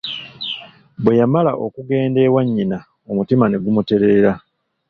Bwe yamala okugenda ewa nnyina omutima ne gumuterera.